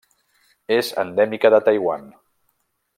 És endèmica de Taiwan.